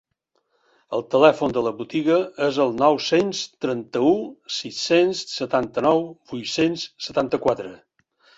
El telèfon de la botiga és el nou-cents trenta-u sis-cents setanta-nou vuit-cents setanta-quatre.